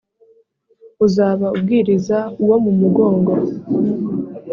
Uzaba ubwiriza uwo mu mugongo.